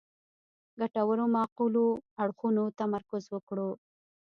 ګټورو معقولو اړخونو تمرکز وکړو.